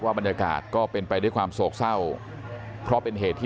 บรรยากาศก็เป็นไปด้วยความโศกเศร้าเพราะเป็นเหตุที่